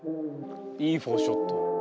いいフォーショット。